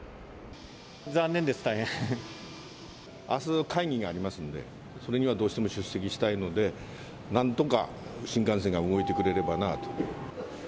残念です、あす、会議がありますんで、それにはどうしても出席したいので、なんとか新幹線が動いてくれればなあと。